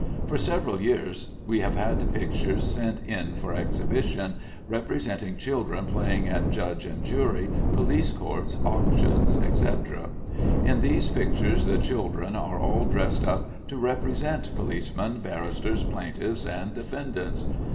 For several years we have had pictures sent in for exhibition, representing children playing at judge and jury, police courts, auctions, etc. In these pictures the children are all dressed up to represent policemen, barristers, plaintiffs, and defendants.